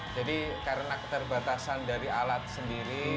jadi karena keterbatasan dari alat sendiri